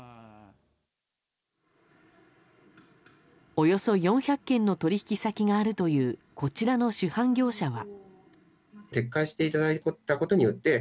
およそ４００件の取引先があるというこちらの酒販業者は。